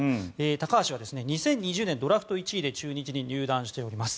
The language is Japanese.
高橋は２０２０年ドラフト１位で中日に入団しています。